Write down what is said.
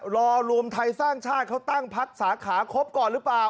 รอรวมไทยสร้างชาติเขาตั้งพักสาขาครบก่อนหรือเปล่า